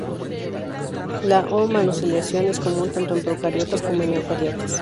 La O-manosilación es común tanto en procariotas como en eucariotas.